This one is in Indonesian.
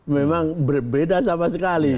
memang berbeda sama sekali